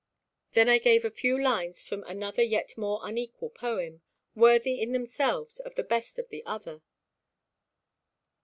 Then I gave a few lines from another yet more unequal poem, worthy in themselves of the best of the other.